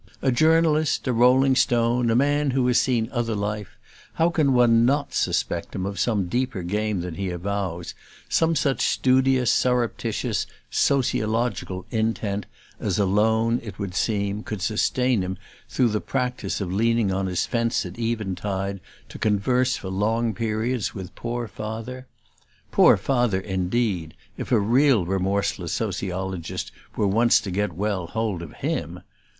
A journalist, a rolling stone, a man who has seen other life, how can one not suspect him of some deeper game than he avows some such studious, surreptitious, "sociological" intent as alone, it would seem, could sustain him through the practice of leaning on his fence at eventide to converse for long periods with poor Father? Poor Father indeed, if a real remorseless sociologist were once to get well hold of him!